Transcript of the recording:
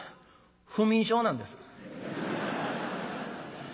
「不眠症なんです」。